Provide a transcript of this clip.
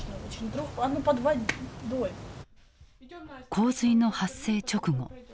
洪水の発生直後